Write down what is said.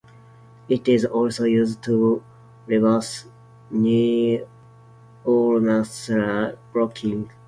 It is also used to reverse neuromuscular blocking.